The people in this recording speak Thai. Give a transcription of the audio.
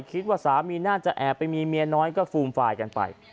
คิดว่าสามีน่าจะแอบไปมีเมียน้อยก็ฟูมฟายกันไป